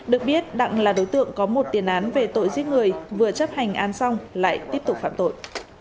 được biết đặng là đối tượng có một tiền án về tội giết người vừa chấp hành án xong lại tiếp tục phạm tội